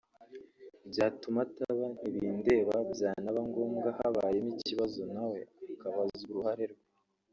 byatuma ataba ntibindeba byanaba ngombwa habayemo ikibazo na we akabazwa uruhare rwe